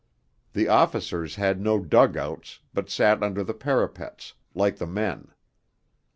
The officers had no dug outs, but sat under the parapets, like the men.